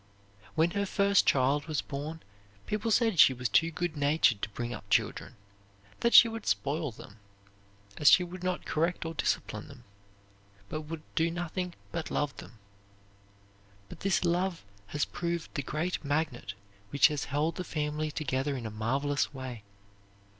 When her first child was born people said she was too good natured to bring up children, that she would spoil them, as she would not correct or discipline them, and would do nothing but love them. But this love has proved the great magnet which has held the family together in a marvelous way.